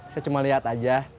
saya cuma lihat aja